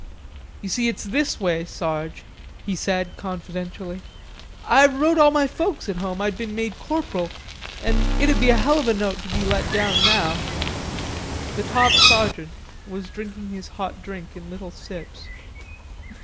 "You see it's this way, Sarge," he said confidentially, "I wrote all my folks at home I'd been made corporal, an' it'ld be a hell of a note to be let down now." The top sergeant was drinking his hot drink in little sips.